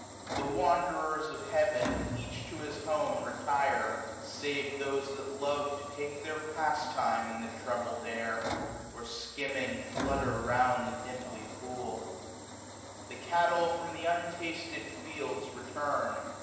The wanderers of heaven, 80 Each to his home, retire; save those that love To take their pastime in the troubled air; Or skimming flutter round the dimply pool. The cattle from the untasted fields return.